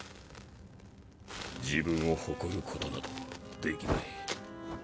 自分を誇ることなどできない。